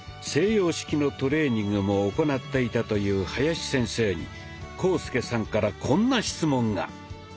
西洋式のトレーニングも行っていたという林先生に浩介さんからこんな質問が。